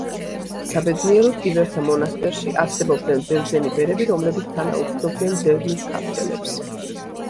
საბედნიეროდ, ივერთა მონასტერში არსებობდნენ ბერძნები ბერები, რომლებიც თანაუგრძნობდნენ დევნილ ქართველებს.